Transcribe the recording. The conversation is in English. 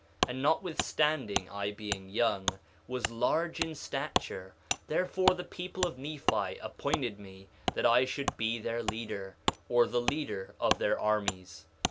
And notwithstanding I being young, was large in stature; therefore the people of Nephi appointed me that I should be their leader, or the leader of their armies.